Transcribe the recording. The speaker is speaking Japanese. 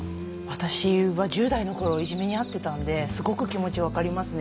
私は１０代のころいじめに遭っていたのですごく気持ちが分かりますね。